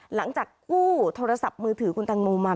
หลังจากกู้โทรศัพท์มือถือคุณตังโมมา